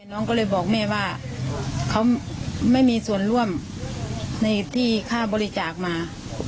น้องก็เลยบอกแม่ว่าเขาไม่มีส่วนร่วมในที่ค่าบริจาคมา